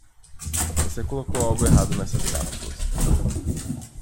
Você colocou algo errado nessas cápsulas.